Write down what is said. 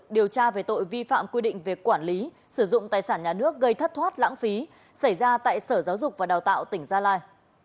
điều tra về tội vi phạm quy định về quản lý sử dụng tài sản nhà nước gây thất thoát lãng phí xảy ra tại sở giáo dục và đào tạo tỉnh gia lai